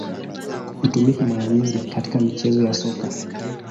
Hutumika mara nyingi katika michezo ya Soka.